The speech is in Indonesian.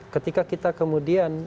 ketika kita kemudian